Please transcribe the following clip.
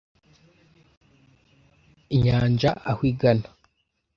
Inyanja aho igana.